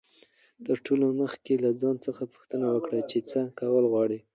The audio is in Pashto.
تر ټولو مخکي له ځان څخه پوښتنه وکړئ، چي څه کول غواړئ.